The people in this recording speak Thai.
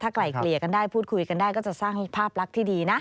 ไกลเกลี่ยกันได้พูดคุยกันได้ก็จะสร้างภาพลักษณ์ที่ดีนะ